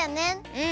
うん。